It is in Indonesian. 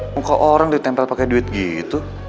muka orang ditempel pakai duit gitu